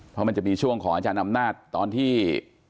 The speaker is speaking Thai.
เพราะมันจะมีช่วงของอาจารย์อำนาจตอนที่